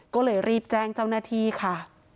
ก็เลยรีบแจ้งเจ้าหน้าที่ค่ะ